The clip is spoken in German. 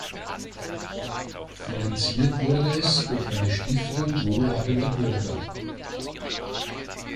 Finanziert wurde es durch eine Stiftung wohlhabender Bürger.